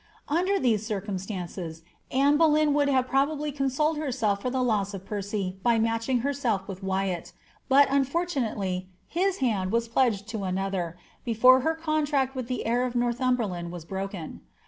Under these circumstances Anoe Boleyn would have probably consoled herself for the loss of Percy by matching herself with Wyatt; but, unfortunately, his hand was pledged to another, before her contract with the heir of Northum berlaiid was broken.